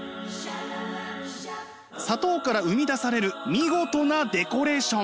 砂糖から生み出される見事なデコレーション！